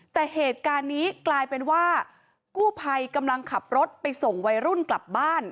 แต่เหตุการณ์นี้กลายเป็นว่ากู้ภัยกำลังขับรถไปส่งวัยรุ่นกลับบ้าน